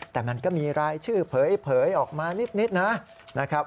แต่มันก็มีรายชื่อเผยออกมานิดนะครับ